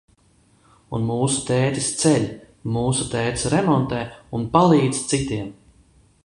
Un mūsu tētis ceļ, mūsu tētis remontē un palīdz citiem.